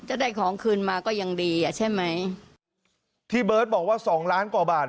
ได้ของคืนมาก็ยังดีอ่ะใช่ไหมพี่เบิร์ตบอกว่าสองล้านกว่าบาท